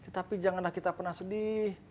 tapi janganlah kita pernah sedih